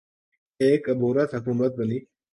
ایک عبوری حکومت بنی۔